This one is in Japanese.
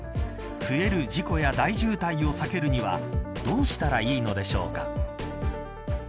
増える事故や大渋滞を避けるにはどうしたらいいのでしょうか。